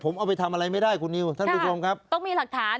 ผมเอาไปทำอะไรไม่ได้คุณนิวท่านผู้ชมครับต้องมีหลักฐาน